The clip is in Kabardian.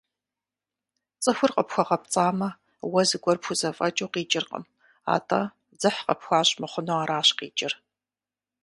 Цӏыхур къыпхуэгъэпцӏамэ, уэ зыгуэр пхузэфӏэкӏыу къикӏыркъым, атӏэ, дзыхь къыпхуащӏ мыхъуну аращ къикӏыр.